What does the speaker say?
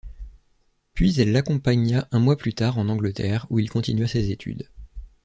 Puis elle l’accompagna un mois plus tard en Angleterre, où il continua ses études.